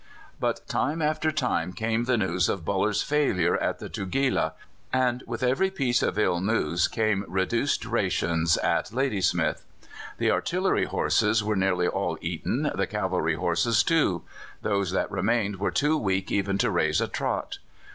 But time after time came the news of Buller's failure on the Tugela, and with every piece of ill news came reduced rations at Ladysmith. The artillery horses were nearly all eaten, the cavalry horses too; those that remained were too weak even to raise a trot.